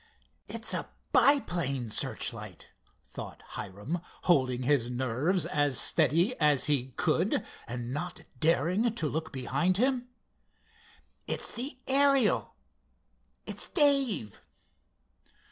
"It's a biplane searchlight," thought Hiram, holding his nerves as steady as he could, and not daring to look behind him. "It's the Ariel—it's Dave!"